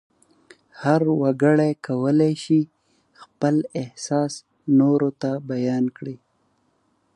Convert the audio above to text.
هر وګړی کولای شي خپل احساس نورو ته بیان کړي.